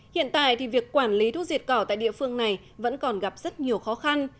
hiện tại thì việc quản lý thuốc diệt cỏ tại địa phương này vẫn còn gặp rất nhiều khó khăn